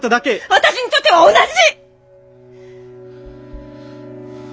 私にとっては同じ！